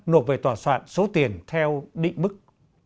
nộp về tòa soạn số tiền theo định mức